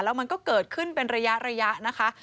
แล้วมันก็เกิดขึ้นเป็นระยะนะคะ